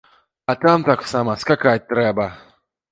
А там таксама скакаць трэба!